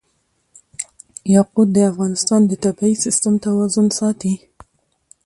یاقوت د افغانستان د طبعي سیسټم توازن ساتي.